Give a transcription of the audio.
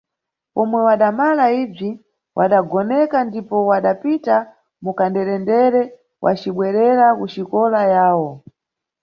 Pomwe wadamala ibzi, wadagonekana ndipo wadapita mukanderendere wacibwerera kuxikola yawo.